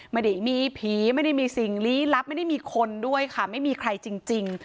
ไม่ได้มีผีไม่ได้มีสิ่งลี้ลับไม่ได้มีคนด้วยค่ะไม่มีใครจริง